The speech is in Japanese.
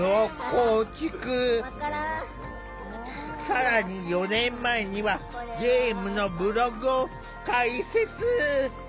更に４年前にはゲームのブログを開設。